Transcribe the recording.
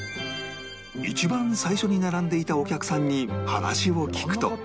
一番最初に並んでいたお客さんに話を聞くと